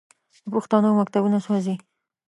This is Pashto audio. د پښتنو مکتبونه سوځوي.